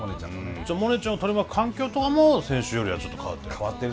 じゃあモネちゃんを取り巻く環境とかも先週よりはちょっと変わってる。